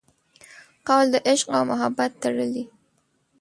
قول د عشق او محبت تړلي